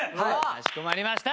かしこまりました！